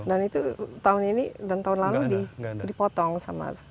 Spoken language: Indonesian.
dan itu tahun ini dan tahun lalu dipotong sama